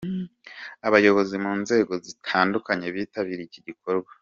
Abayobozi mu nzego zitandukanye bitabiriye iki gikorwa.